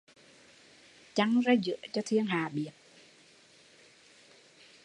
Chăng ra giữa cho thiên hạ biết